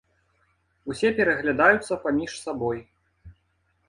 Усе пераглядаюцца паміж сабой.